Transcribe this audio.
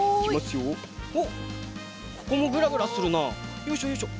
よいしょよいしょ。